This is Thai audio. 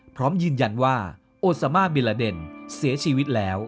พร้อมยืนยันว่าโอซามาบิลาเดนเสียชีวิตแล้ว